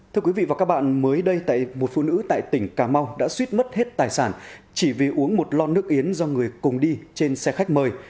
thưa quý vị và các bạn mới đây tại một phụ nữ tại tỉnh cà mau đã suýt mất hết tài sản chỉ vì uống một lon nước yến do người cùng đi trên xe khách mời